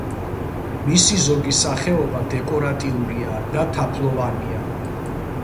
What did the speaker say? მისი ზოგი სახეობა დეკორატიულია და თაფლოვანია.